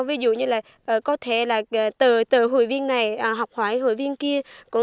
ví dụ như là có thể là tờ hội viên này học hỏi hội viên kia